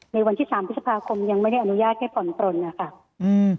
ในวันที่สามพฤษภาคมยังไม่ได้อนุญาตให้ผ่อนปลนนะคะอืม